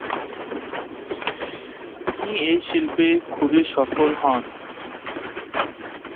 তিনি এই শিল্পে খুবই সফল হন।